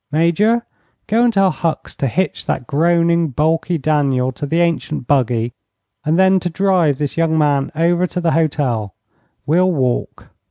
Major, go and tell Hucks to hitch that groaning, balky Daniel to the ancient buggy, and then to drive this young man over to the hotel. We'll walk."